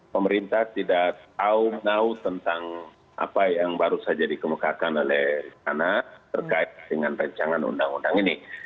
pemerintah tidak tahu menau tentang apa yang baru saja dikemukakan oleh karena terkait dengan rancangan undang undang ini